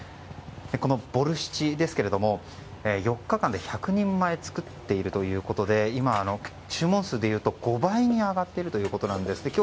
このボルシチですけども４日間で１００人前を作っているということで今、注文数でいうと５倍に上がっているということなんです。